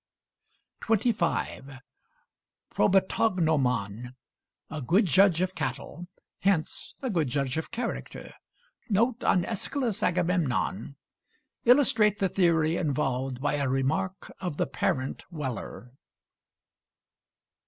25. ~probatognômôn~: a good judge of cattle; hence, a good judge of character! Note on Æsch. Ag. Illustrate the theory involved by a remark of the parent Weller.